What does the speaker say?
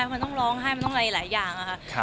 มันต้องร้องไห้มันต้องอะไรหลายอย่างค่ะ